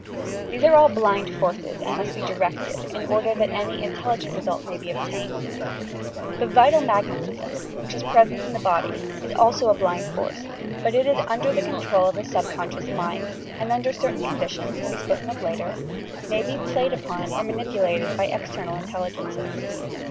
These are all blind forces and must be directed, in order that any in telligent result may be obtained. The vital magnetism, which is present in the body, is also a blind force, but is under the control of the subconscious mind, and, under certain conditions, to be spoken of later, may be played upon or manipulated by external intelligeneea.